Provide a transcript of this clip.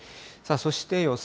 そして予想